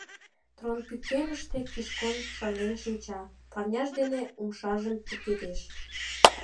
Трон-пӱкеныште Кишкон шарлен шинча, парняж дене умшажым пургедеш.